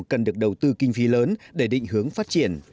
cần được đầu tư kinh phí lớn để định hướng phát triển